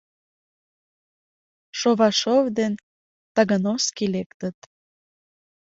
Шовашов ден Тагановский лектыт.